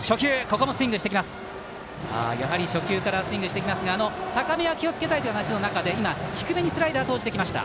初球からスイングしてきますが高めは気をつけたいという話の中で低めにスライダーを投じてきました。